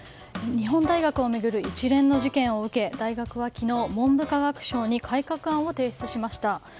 日本大学を巡る一連の事件を受け大学は昨日、文部科学省に改革案を提出しました。